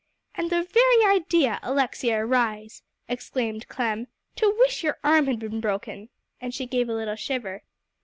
"And the very idea, Alexia Rhys," exclaimed Clem, "to wish your arm had been broken!" and she gave a little shiver.